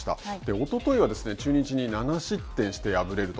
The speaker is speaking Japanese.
おとといは、中日に７失点して敗れると。